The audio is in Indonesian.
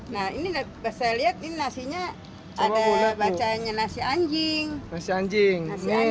nah ini saya lihat ini nasinya ada bacanya nasi anjing